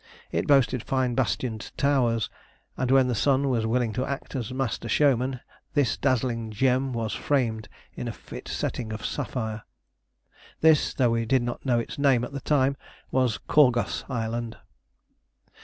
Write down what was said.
It boasted fine bastioned towers, and when the sun was willing to act as master showman this dazzling gem was framed in a fit setting of sapphire. This, though we did not know its name at the time, was Korghos Island.